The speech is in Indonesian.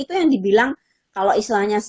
itu yang dibilang kalau istilahnya